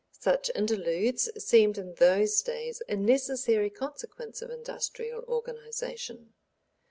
Such interludes seemed in those days a necessary consequence of industrial organization.